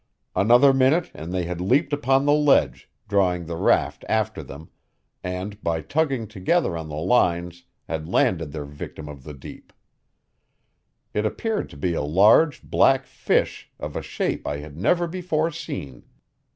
Another minute and they had leaped upon the ledge, drawing the raft after them, and, by tugging together on the lines, had landed their victim of the deep. It appeared to be a large black fish of a shape I had never before seen.